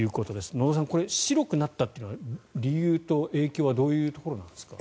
野田さん、白くなったというのは理由と影響はどういうところなんですか。